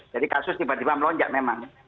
jadi kasus tiba tiba melonjak memang